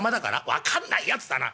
「分かんないやつだな。